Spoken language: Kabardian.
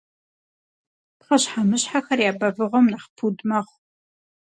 Пхъэщхьэмыщхьэхэр я бэвыгъуэм нэхъ пуд мэхъу.